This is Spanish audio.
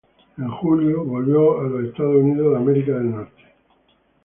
En julio volvió a los Estados Unidos.